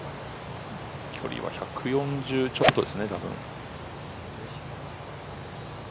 距離は１４０ちょっとですねたぶん。